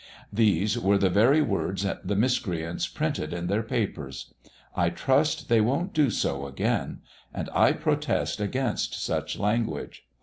These were the very words the miscreants printed in their papers. I trust they won't do so again, and I protest against such language.